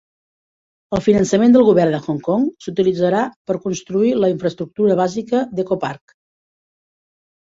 El finançament del govern de Hong Kong s'utilitzarà per construir la infraestructura bàsica d'EcoPark.